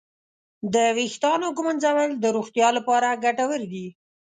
د ویښتانو ږمنځول د روغتیا لپاره ګټور دي.